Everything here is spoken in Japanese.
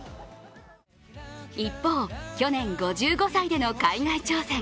一方、去年５５歳での海外挑戦。